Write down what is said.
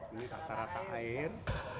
ini tak teratak air